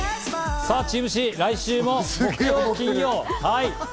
さぁチームＣ、来週も木曜、金曜！